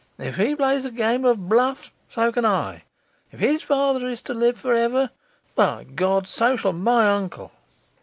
If he plays a game of bluff, so can I. If his father is to live for ever, by God, so shall my uncle!